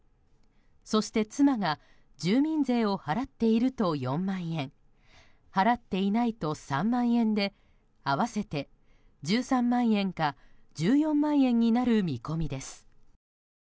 そして妻が住民税を払っていると４万円払っていないと３万円で合わせて１３万円か１４万円になる見込みです。